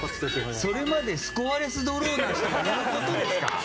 それまでスコアレスドローな人が言うことですか。